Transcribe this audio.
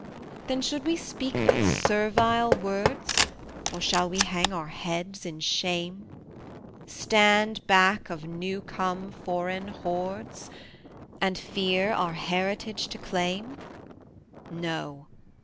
Then should we speak but servile words, Or shall we hang our heads in shame? Stand back of new come foreign hordes, And fear our heritage to claim? No!